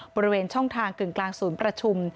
บริเวณช่องทางกึ่งกลางศูนย์ประชุม